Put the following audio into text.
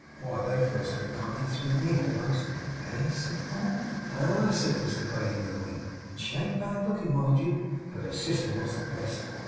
Why, they first kept company through me, a'most.' 'Ah?' said Paul. 'Ah!' said Mr Bailey, with a wink; 'and she ain't bad looking mind you. But her sister was the best.